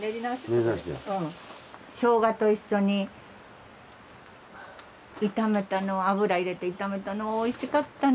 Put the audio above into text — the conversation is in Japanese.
ショウガと一緒に炒めたの油入れて炒めたのはおいしかったね。